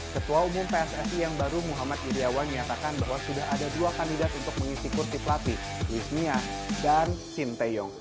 ketua umum pssi yang baru muhammad iryawan menyatakan bahwa sudah ada dua kandidat untuk mengisi kursi pelatih luis mia dan sinteyong